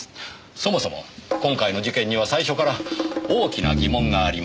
そもそも今回の事件には最初から大きな疑問がありました。